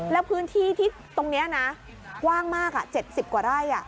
แล้วพื้นที่ที่ตรงนี้นะกว้างมาก๗๐กว่าไร่